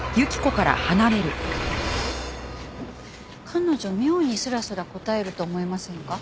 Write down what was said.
彼女妙にすらすら答えると思いませんか？